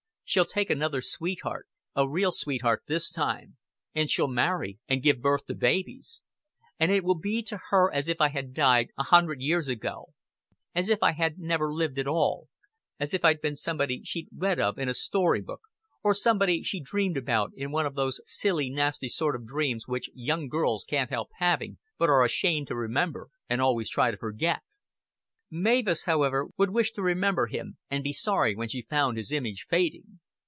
She'll take another sweetheart a real sweetheart this time, and she'll marry, and give birth to babies; and it will be to her as if I had died a hundred years ago, as if I had never lived at all, as if I'd been somebody she'd read of in a story book, or somebody she'd dreamed about in one of those silly nasty sort of dreams which young girls can't help having, but are ashamed to remember and always try to forget." Mavis, however, would wish to remember him, and be sorry when she found his image fading.